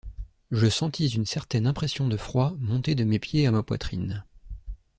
Je sentis une certaine impression de froid monter de mes pieds à ma poitrine.